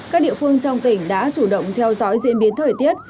các địa phương trong tỉnh đã chủ động theo dõi diễn biến thời tiết